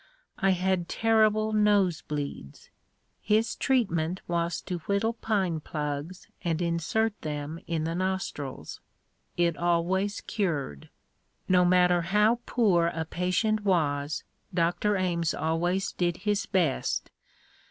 I had terrible nose bleeds. His treatment was to whittle pine plugs and insert them in the nostrils. It always cured. No matter how poor a patient was, Dr. Ames always did his best.